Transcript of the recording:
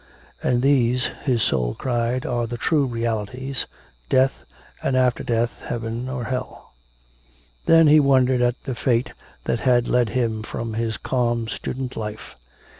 'And these,' his soul cried, 'are the true realities, death, and after death Heaven or Hell!' Then he wondered at the fate that had led him from his calm student life....